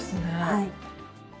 はい。